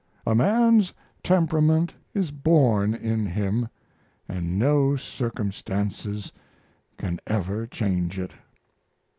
A man's temperament is born in him, and no circumstances can ever change it.